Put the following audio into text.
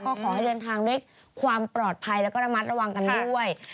ก็ขอให้เดินทางด้วยความปลอดภัยแล้วก็ระมัดระวังกันด้วย